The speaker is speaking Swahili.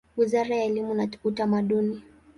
Wizara ya elimu na Utamaduni.